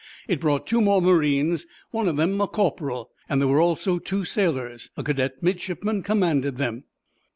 It brought two more marines, one of them a corporal. There were also two sailors. A cadet midshipman commanded them.